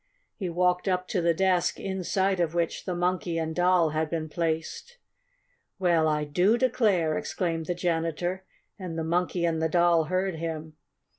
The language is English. He walked up to the desk inside of which the Monkey and Doll had been placed. "Well, I do declare!" exclaimed the janitor, and the Monkey and the Doll heard him.